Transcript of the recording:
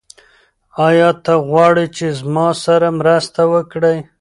ایا ته غواړې چې زما سره مرسته وکړې؟